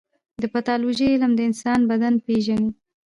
د پیتالوژي علم د انسان بدن پېژني.